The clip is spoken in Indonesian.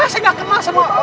saya nggak kenal sama bapak ini